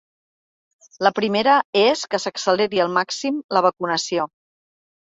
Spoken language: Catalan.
La primera és que s’acceleri al màxim la vacunació.